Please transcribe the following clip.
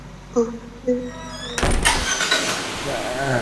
ওই যে উনি আসছেন।